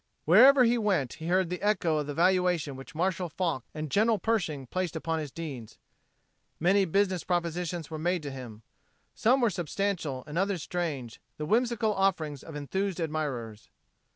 Wherever he went he heard the echo of the valuation which Marshal Foch and General Pershing placed upon his deeds. Many business propositions were made to him. Some were substantial and others strange, the whimsical offerings of enthused admirers.